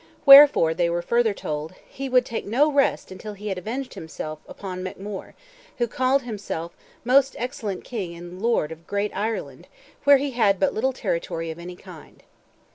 Wherefore they were further told, "he would take no rest until he had avenged himself upon MacMore, who called himself most excellent King and Lord of great Ireland; where he had but little territory of any kind."